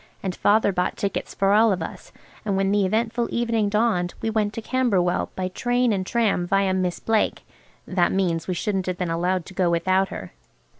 And Father bought tickets for all of us, and when the eventful evening dawned we went to Camberwell by train and tram viâ Miss Blake (that means we shouldn't have been allowed to go without her).